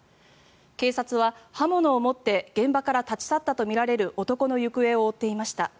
警察は、刃物を持って現場から立ち去ったとみられる男の行方を追っていました。